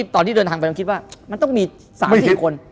ตอนที่เดินทางไปต้องคิดว่ามันต้องมี๓๐คน